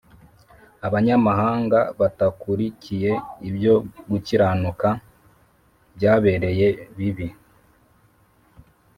Abanyamahanga batakurikiye ibyo gukiranuka byabereye bibi